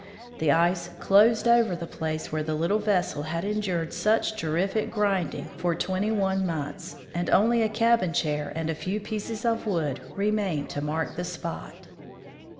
The ice closed over the place where the little vessel had en dured such terrific grinding for twenty one months, and only a cabin chair and a few pieces of wood remained to mark the spot.